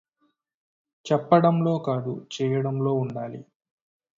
చెప్పడంలో కాదు చేయడంలో ఉండాలి.